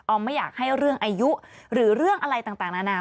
ไม่อยากให้เรื่องอายุหรือเรื่องอะไรต่างนานา